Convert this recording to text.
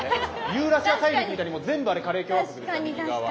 ユーラシア大陸みたいにもう全部あれカレー共和国右側は。